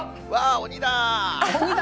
鬼だ。